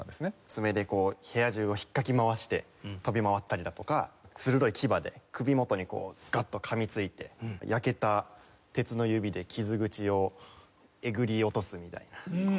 爪で部屋中を引っかき回して飛び回ったりだとか鋭い牙で首元にこうガッと噛みついて焼けた鉄の指で傷口をえぐり落とすみたいな。